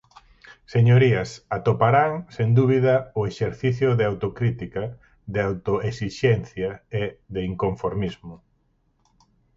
Señorías, atoparán, sen dúbida, o exercicio de autocrítica, de autoexixencia e de inconformismo.